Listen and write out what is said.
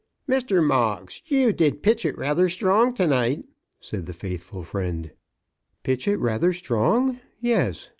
"Mr. Moggs, you did pitch it rayther strong, to night," said the faithful friend. "Pitch it rather strong; yes.